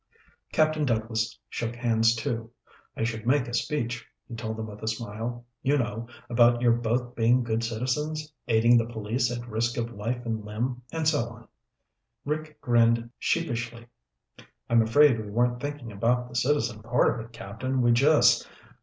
Captain Douglas shook hands, too. "I should make a speech," he told them with a smile. "You know, about your both being good citizens, aiding the police at risk of life and limb and so on...." Rick grinned sheepishly. "I'm afraid we weren't thinking about the citizen part of it, Captain. We just...."